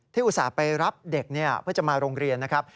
อุตส่าห์ไปรับเด็กเพื่อจะมาโรงเรียนนะครับ